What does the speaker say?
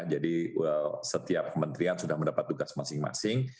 jadi setiap kementerian sudah mendapat tugas masing masing